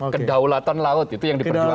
kedaulatan laut itu yang diperjuangkan